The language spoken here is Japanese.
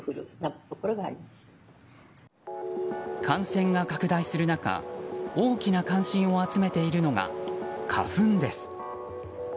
感染が拡大する中大きな関心を集めているのが花粉です。